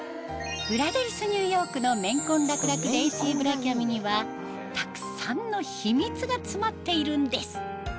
ブラデリスニューヨークの綿混楽々レーシーブラキャミにはたくさんの秘密が詰まっているんです